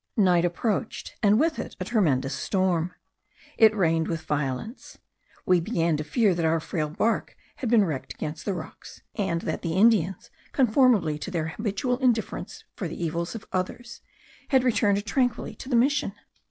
Night approached, and with it a tremendous storm. It rained with violence. We began to fear that our frail bark had been wrecked against the rocks, and that the Indians, conformably to their habitual indifference for the evils of others, had returned tranquilly to the mission.